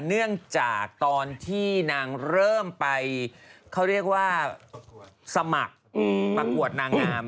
เนื่องจากตอนที่นางเริ่มไปเขาเรียกว่าสมัครประกวดนางงาม